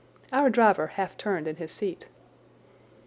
Our driver half turned in his seat.